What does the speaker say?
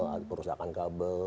ada perusahaan kabel